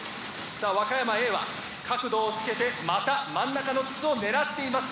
さあ和歌山Ａは角度をつけてまた真ん中の筒を狙っています。